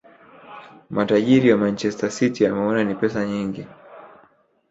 matajiri wa manchester city wameona ni pesa nyingi